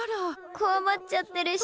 こわばっちゃってるし。